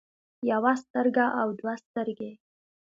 يوه سترګه او دوه سترګې